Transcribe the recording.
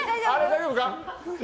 大丈夫か？